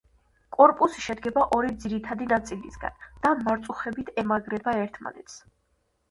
კორპუსი შედგება ორი ძირითადი ნაწილისგან და მარწუხებით ემაგრება ერთმანეთს.